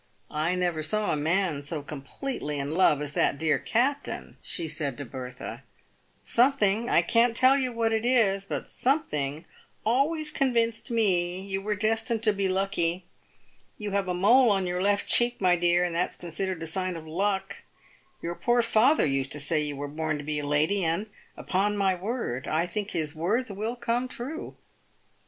I never saw a man so completely in love as that dear captain," she said to Bertha. " Something — I can't tell what it is — but something always con vinced me you were destined to be lucky. You have a mole on your left cheek, my dear, and that's considered a sign of luck. Your poor father used to say you were born to be a lady, and, upon my word, I think his words will come true."